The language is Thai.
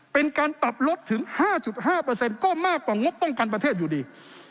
เป็นการปรับลดถึง๕๕ก็มากกว่างบป้องกันประเทศอยู่ดี